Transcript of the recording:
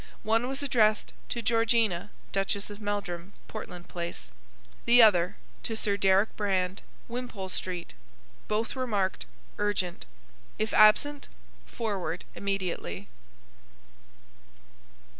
One was addressed to Georgina, Duchess of Meldrum Portland Place The other, to Sir Deryck Brand Wimpole Street Both were marked: Urgent. If absent, forward immediately.